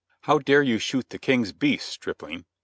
"How dare you shoot the King's beasts, stripling?"